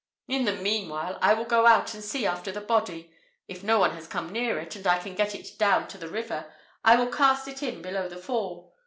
In the meanwhile, I will go out and see after the body. If no one has come near it, and I can get it down to the river, I will cast it in below the fall.